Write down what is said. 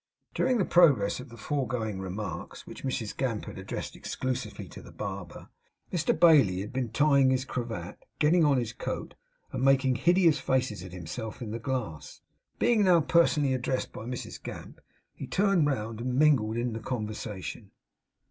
During the progress of the foregoing remarks, which Mrs Gamp had addressed exclusively to the barber, Mr Bailey had been tying his cravat, getting on his coat, and making hideous faces at himself in the glass. Being now personally addressed by Mrs Gamp, he turned round, and mingled in the conversation.